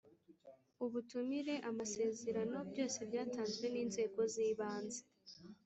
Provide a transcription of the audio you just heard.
Ubutumire, amasezerano byose byatanzwe n’ inzego z’ibanze